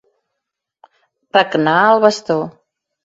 Regnar el bastó.